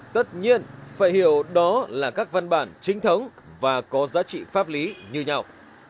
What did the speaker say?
tất nhiên phải hiểu đó là các văn bản chính thống và có giá trị pháp lý như nhau